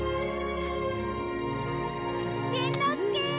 しんのすけ！